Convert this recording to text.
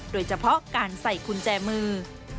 โดยเฉพาะการใส่กุญแจมือ